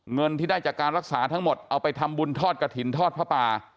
เงินที่ได้จากการรักษาทั้งหมดเอาไปทำบุญทอดกระถิ่นทอดผ้าป่า